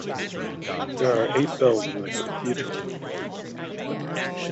There are eight bells in the cathedral.